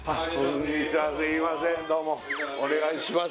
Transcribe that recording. どうもお願いします